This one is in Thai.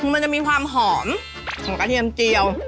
คือมันจะมีความหอมของกระเทียมเจียว